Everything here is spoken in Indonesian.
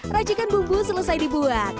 racikan bumbu selesai dibuat